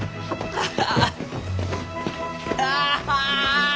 ああ！